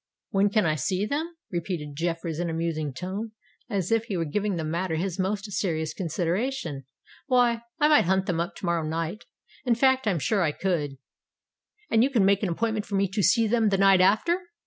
"When can I see them?" repeated Jeffreys in a musing tone, as if he were giving the matter his most serious consideration: "why—I might hunt them up to morrow night—in fact, I'm sure I could——" "And you can make an appointment for me to see them the night after?"